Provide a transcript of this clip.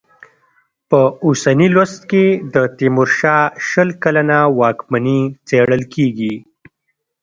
په اوسني لوست کې د تېمورشاه شل کلنه واکمني څېړل کېږي.